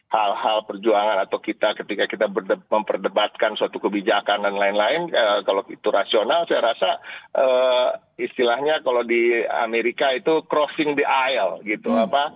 hal hal perjuangan atau kita ketika kita memperdebatkan suatu kebijakan dan lain lain kalau itu rasional saya rasa istilahnya kalau di amerika itu crossing the ial gitu